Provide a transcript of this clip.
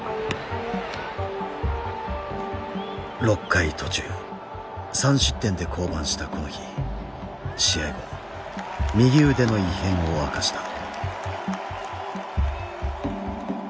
６回途中３失点で降板したこの日試合後右腕の異変を明かした。